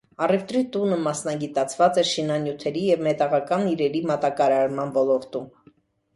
Առևտրի տունը մասնագիտացված էր շինանյութերի և մետաղական իրերի մատակարարման ոլորտում։